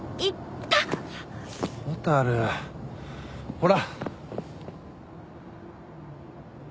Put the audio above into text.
ほら。